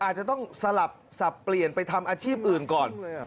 อาจจะต้องสลับสับเปลี่ยนไปทำอาชีพอื่นก่อน